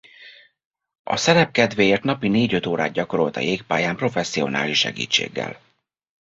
A szerep kedvéért napi négy-öt órát gyakorolt a jégpályán professzionális segítséggel.